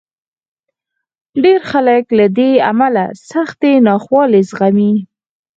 ډېر خلک له دې امله سختې ناخوالې زغمي.